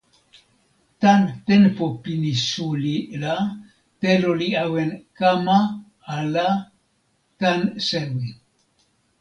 tan tenpo pini suli la telo li awen kama ala tan sewi.